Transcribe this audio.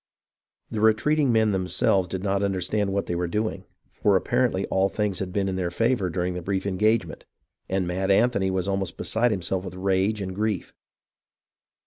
The retreating men themselves did not understand what they were doing, for apparently all things had been in their favour during the brief engagement, and Mad Anthony was almost beside himself with rage and grief.